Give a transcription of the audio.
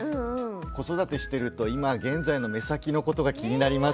子育てしてると今現在の目先のことが気になりますよね。